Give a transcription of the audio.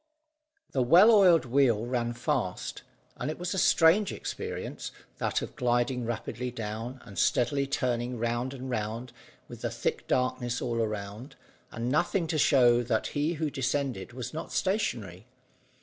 The well oiled wheel ran fast, and it was a strange experience that of gliding rapidly down and steadily turning round and round with the thick darkness all around, and nothing to show that he who descended was not stationary.